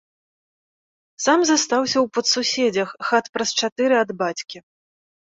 Сам застаўся ў падсуседзях, хат праз чатыры ад бацькі.